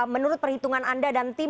menurut perhitungan anda dan tim